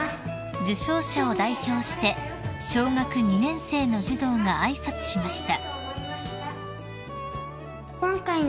［受賞者を代表して小学２年生の児童が挨拶しました］